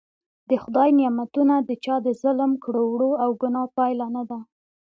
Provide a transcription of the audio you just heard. د خدای نعمتونه د چا د ظلم کړو وړو او ګناه پایله نده.